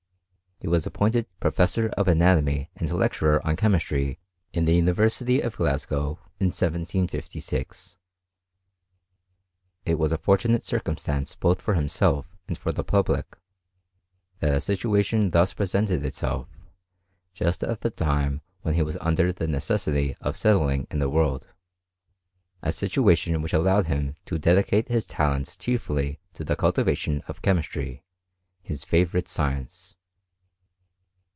He was app professor of anatomy and lecturer on chemistry University of Glasgow in 1756. It was a fori circumstance both for himself and for the publi< a situation thus presented itself, just at the time he was under the necessity of settling in the wc a situation which allowed him to dedicate hi^ t chiefly to the cultivation of chemistry, his &f science.